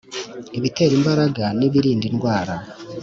ibitera imbaraga n’ibirinda indwara.